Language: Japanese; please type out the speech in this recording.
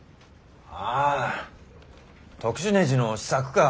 ああ特殊ねじの試作か。